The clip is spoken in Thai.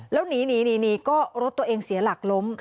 แล้วหนีก็รถตัวเองเสียหลักล้ม